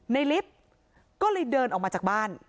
ลิฟต์ก็เลยเดินออกมาจากบ้าน